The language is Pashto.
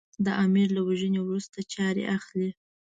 د امیر له وژنې وروسته چارې اخلي.